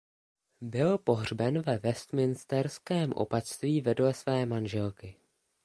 Byl pohřben ve Westminsterském opatství vedle své manželky.